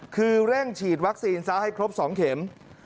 คือเร่งฉีดวัคซีนซะให้ครบ๒เข็ม